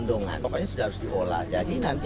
dengan bby sudah harus diolah jadi nanti